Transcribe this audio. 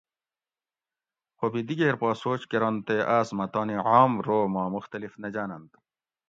خو بھی دیگیر پا سوچ کرنت تے آس مہ تانی عام رو ما مختلف نہ جاۤننت